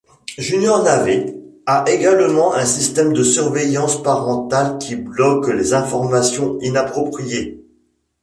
Junior Naver a également un système de surveillance parentale qui bloque les informations inappropriées.